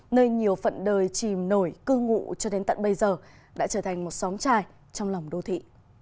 nơi nhiều phận đời chìm nổi cư ngụ cho đến tận bây giờ đã trở thành một xóm trài trong lòng đô thị